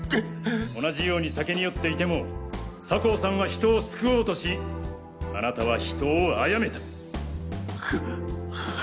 同じように酒に酔っていても酒匂さんは人を救おうとしあなたは人を殺めた。